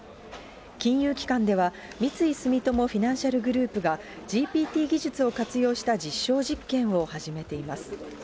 金融機関では、三井住友フィナンシャルグループが、ＧＰＴ技術を活用した実証実験を始めています。